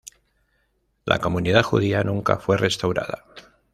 La comunidad judía nunca fue restaurada.